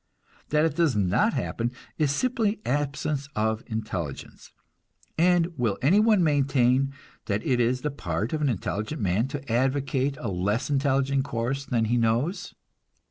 That it does not happen is simply absence of intelligence. And will anyone maintain that it is the part of an intelligent man to advocate a less intelligent course than he knows?